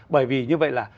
bởi vì như vậy là